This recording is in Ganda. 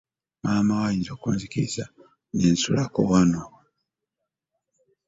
Maamawo ayinza okunzikiriza ne nsulako wano?